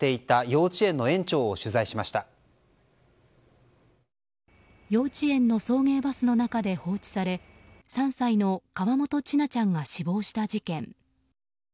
幼稚園の送迎バスの中で放置され３歳の河本千奈ちゃんが死亡した事件。